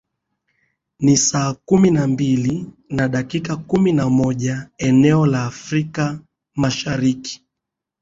ni saa kumi na mbili na dakika kumi na moja eneo la afrika mashariki